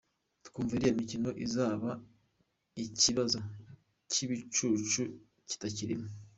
Twumva iriya mikino izaba ikibazo cy’ibicucu kitakirimo.